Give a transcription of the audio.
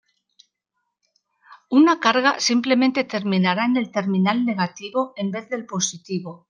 Una carga simplemente terminará en el terminal negativo, en vez del positivo.